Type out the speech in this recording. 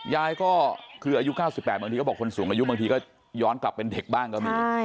ยายก็คืออายุ๙๘บางทีก็บอกคนสูงอายุบางทีก็ย้อนกลับเป็นเด็กบ้างก็มี